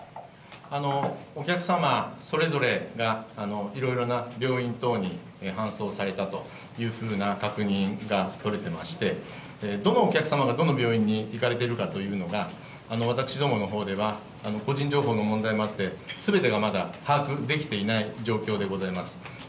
お客様それぞれがいろいろな病院等に搬送されたというふうな確認が取れてまして、どのお客様が、どの病院に行かれているかというのが、私どものほうでは個人情報の問題もあって、すべてがまだ把握できていない状況でございます。